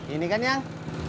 ini kan yang